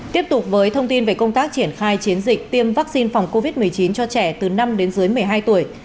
tiếp tục với thông tin về công tác triển khai chiến dịch tiêm vaccine phòng covid một mươi chín cho trẻ từ năm đến dưới một mươi hai tuổi